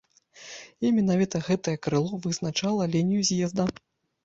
І менавіта гэтае крыло вызначала лінію з'езда.